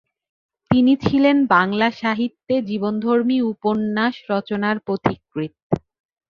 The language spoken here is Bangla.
তিনি ছিলেন বাংলা সাহিত্যে জীবনধর্মী উপন্যাস রচনার পথিকৃৎ ।